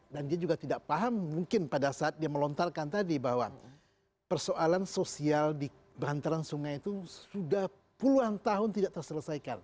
dan dia juga tidak paham mungkin pada saat dia melontarkan tadi bahwa persoalan sosial di bahantaran sungai itu sudah puluhan tahun tidak terselesaikan